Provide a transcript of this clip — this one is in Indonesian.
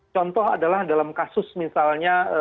contoh adalah dalam kasus misalnya